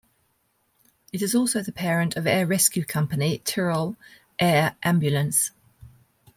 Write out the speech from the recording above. It is also the parent of air rescue company Tyrol Air Ambulance.